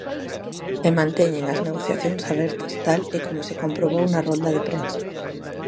E manteñen as negociacións abertas, tal e como se comprobou na rolda de prensa.